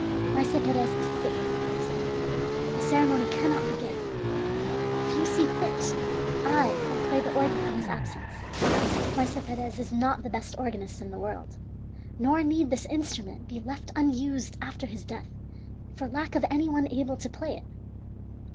"Maese Perez is sick," he said; "the ceremony cannot begin. If you see fit, I will play the organ in his absence. Maese Perez is not the best organist in the world, nor need this instrument be left unused after his death for lack of any one able to play it."